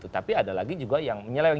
tapi ada lagi juga yang menyeleweng